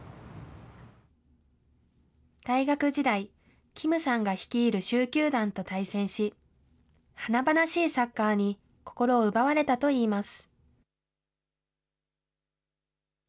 大学時代、金さんが率いる蹴球団と対戦し、華々しいサッカーに心を奪われたといいます。